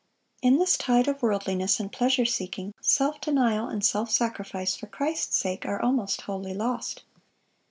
(639) In this tide of worldliness and pleasure seeking, self denial and self sacrifice for Christ's sake are almost wholly lost.